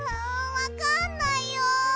わかんないよ！